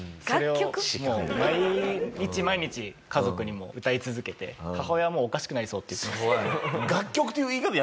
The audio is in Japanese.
毎日毎日家族にも歌い続けて母親はもうおかしくなりそうって言ってました。